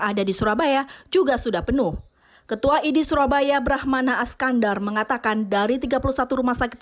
ada di surabaya juga sudah penuh ketua idi surabaya brahmana askandar mengatakan dari tiga puluh satu rumah sakit